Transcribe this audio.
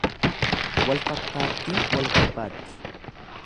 Wal fakkaattin wal barbaaddi.